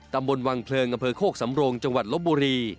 ตำบลวังเพลิงอำเภอโคกสำโรงจังหวัดลบบุรี